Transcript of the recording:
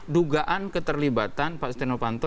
dugaan keterlibatan pak setiano panto